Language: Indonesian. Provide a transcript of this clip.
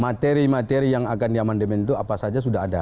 materi materi yang akan diamandemen itu apa saja sudah ada